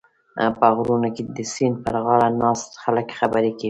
په غرونو کې د سیند پرغاړه ناست خلک خبرې کوي.